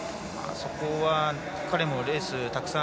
そこは、彼もレースたくさん。